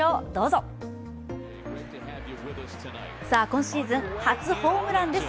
今シーズン初ホームランです。